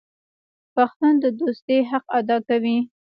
پښتون د دوستۍ حق ادا کوي.